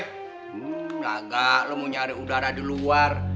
hmm agak lo mau nyari udara di luar